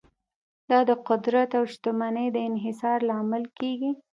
دا د قدرت او شتمنۍ د انحصار لامل کیږي.